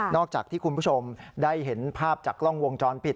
อกจากที่คุณผู้ชมได้เห็นภาพจากกล้องวงจรปิด